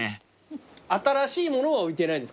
新しいものは置いてないんですか？